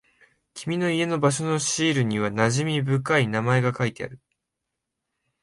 君の家の場所のシールには馴染み深い名前が書いてある。